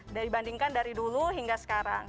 dibandingkan dari dulu hingga sekarang